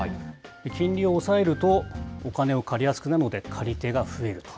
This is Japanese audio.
金利を抑えると、お金を借りやすくなるので、借り手が増えると。